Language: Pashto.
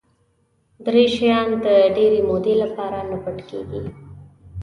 درې شیان د ډېرې مودې لپاره نه پټ کېږي.